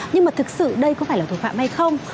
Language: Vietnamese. nhưng mà thực sự đây có phải là tội phạm hay không